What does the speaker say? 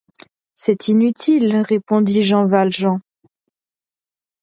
C’est inutile, répondit Jean Valjean.